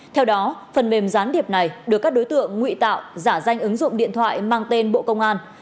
theo đó phần mềm gián điệp này được các đối tượng nguy tạo giả danh ứng dụng điện thoại mang tên bộ công an